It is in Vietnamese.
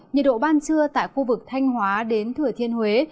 nhiệt độ ban trưa tại khu vực thanh hóa đến thừa thiên huế